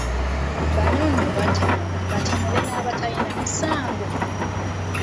Bano nno baatemula batemule nga tebalina musango.